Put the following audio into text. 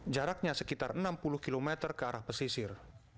jaraknya sekitar enam puluh km ke arah pesisir